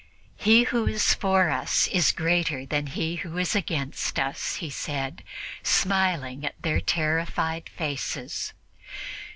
"He who is for us is greater than he who is against us," he said, smiling at their terrified faces.